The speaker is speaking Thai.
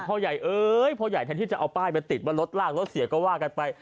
พ่อใหญ่เอ้ยพ่อใหญ่แทนที่จะเอาป้ายไปติดว่ารถลากรถเสียก็ว่ากันไป